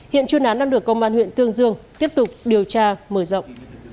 hiện chuyên án đang được công an huyện tương dương tiếp tục điều tra mở rộng